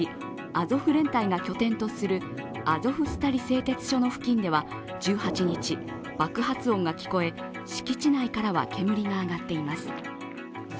アゾフ連隊が拠点とするアゾフスタリ製鉄所の付近では１８日、爆発音が聞こえ、敷地内からは煙が上がっています。